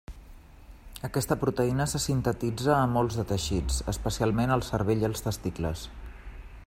Aquesta proteïna se sintetitza a molts de teixits, especialment al cervell i als testicles.